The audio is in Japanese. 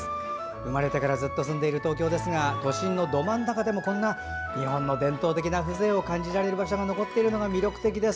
生まれてからずっと住んでいる東京ですが都心のど真ん中でも日本の伝統的な風情を感じられる場所が残っているのが魅力的です。